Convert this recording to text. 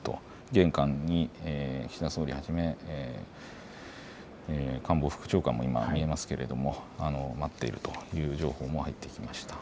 玄関に岸田総理はじめ官房副長官も今、見えますけれども待っているという情報も入ってきました。